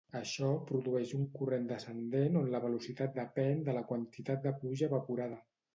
Això produeix un corrent descendent on la velocitat depèn de la quantitat de pluja evaporada.